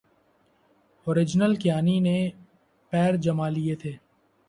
اورجنرل کیانی نے پیر جمالیے تھے۔